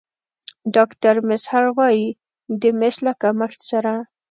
ډاکتر میزهر وايي د مس له کمښت سره